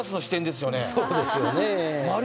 そうですよね。